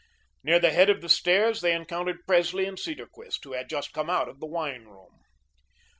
Near the head of the stairs they encountered Presley and Cedarquist, who had just come out of the wine room.